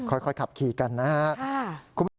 ค่อยขับขี่กันนะครับ